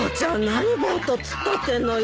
何ボーッと突っ立ってんのよ。